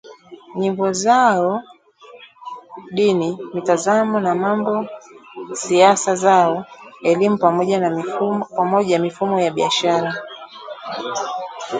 Nyimbo zao, dini, mitazamo ya mambo, siasa zao, elimu pamoja mifumo ya biashara